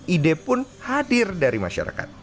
ide pun hadir dari masyarakat